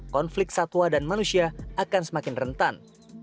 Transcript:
konflik satwa dan manusia akan semakin rentan